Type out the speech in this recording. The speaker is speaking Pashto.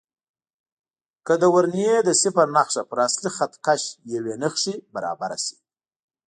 که د ورنیې د صفر نښه پر اصلي خط کش یوې نښې برابره شي.